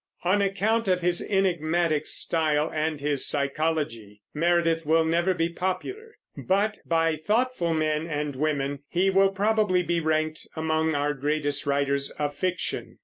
On account of his enigmatic style and his psychology, Meredith will never be popular; but by thoughtful men and women he will probably be ranked among our greatest writers of fiction.